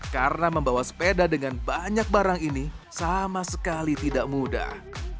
karena membawa sepeda dengan banyak barang ini sama sekali tidak mudah